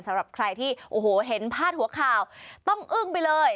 สำหรับใครที่โอ้โหเห็นพาดหัวข่าวต้องอึ้งไปเลย